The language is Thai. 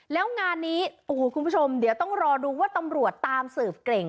แล้วงานนี้โอ้โหคุณผู้ชมเดี๋ยวต้องรอดูว่าตำรวจตามสืบเก่ง